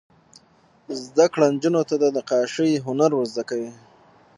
زده کړه نجونو ته د نقاشۍ هنر ور زده کوي.